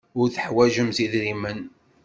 Ur teḥwajemt idrimen.